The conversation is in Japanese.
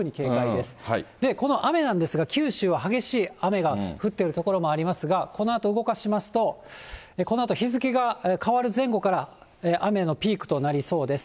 で、この雨なんですが、九州は激しい雨が降っている所もありますが、このあと動かしますと、このあと日付が変わる前後から雨のピークとなりそうです。